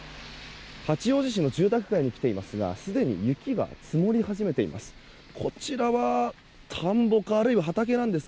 八王子市の住宅街に来ていますがすでに雪が積もり始めています。